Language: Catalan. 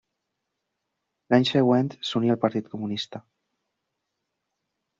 L'any següent s'uní al Partit Comunista.